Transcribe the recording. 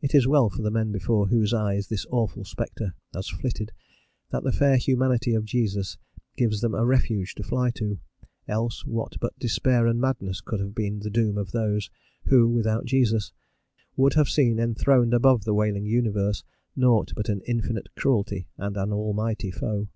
It is well for the men before whose eyes this awful spectre has flitted that the fair humanity of Jesus gives them a refuge to fly to, else what but despair and madness could have been the doom of those who, without Jesus, would have seen enthroned above the wailing universe naught but an infinite cruelty and an Almighty foe.